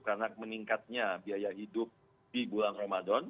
karena meningkatnya biaya hidup di bulan ramadhan